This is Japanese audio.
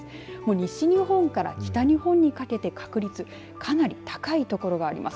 西日本から北日本にかけて確率がかなり高い所があります。